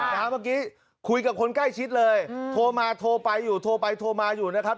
เมื่อกี้คุยกับคนใกล้ชิดเลยโทรมาโทรไปอยู่โทรไปโทรมาอยู่นะครับ